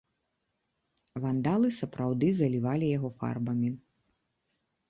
Вандалы сапраўды залівалі яго фарбамі.